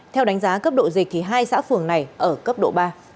theo đánh giá cấp độ dịch thì hai xã phường này ở cấp độ ba